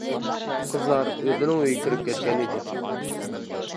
قىزلار ئۆزىنىڭ ئۆيىگە كىرىپ كەتكەن ئىدى.